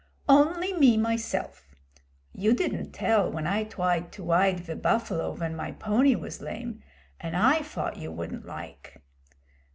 'Only me myself. You didn't tell when I twied to wide ve buffalo ven my pony was lame; and I fought you wouldn't like.'